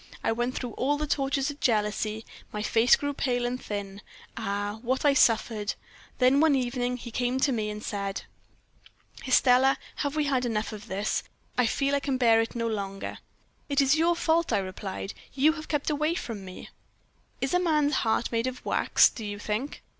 I went through all the tortures of jealousy, my face grew pale and thin. Ah! what I suffered! Then one evening he came to me and said: "'Estelle, have we had enough of this? I feel I can bear it no longer.' "'It is your fault,' I replied; 'you have kept away from me.' "'Is a man's heart made of wax, do you think?